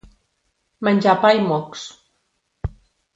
Menjar pa i mocs.